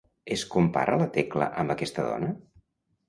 Es compara la Tecla amb aquesta dona?